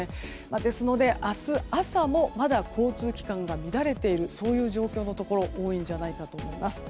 ですので明日朝もまだ交通機関が乱れているそういう状況のところ多いんじゃないかと思います。